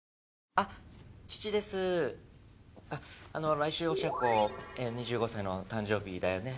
あっあの来週おしゃ子２５歳の誕生日だよね。